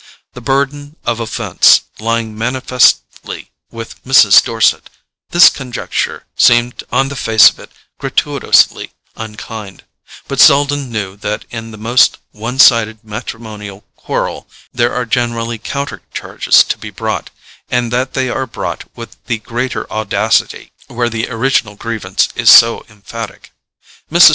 The burden of offence lying manifestly with Mrs. Dorset, this conjecture seemed on the face of it gratuitously unkind; but Selden knew that in the most one sided matrimonial quarrel there are generally counter charges to be brought, and that they are brought with the greater audacity where the original grievance is so emphatic. Mrs.